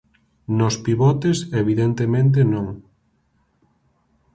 Nos pivotes evidentemente non.